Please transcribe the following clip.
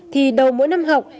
thì đầu mỗi năm học